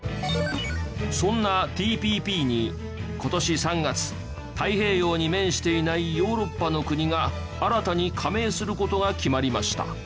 そんなＴＰＰに今年３月太平洋に面していないヨーロッパの国が新たに加盟する事が決まりました。